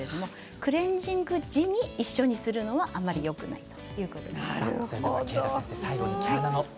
クレンジングを一緒にするのはあまりよくないということです。